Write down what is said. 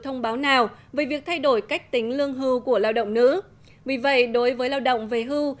thông báo nào về việc thay đổi cách tính lương hưu của lao động nữ vì vậy đối với lao động về hưu